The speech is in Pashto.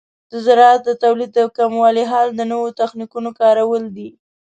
د زراعت د تولید د کموالي حل د نوو تخنیکونو کارول دي.